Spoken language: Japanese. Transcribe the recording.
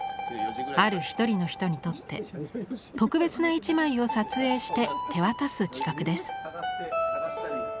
ある一人の人にとって特別な一枚を撮影して手渡す企画です。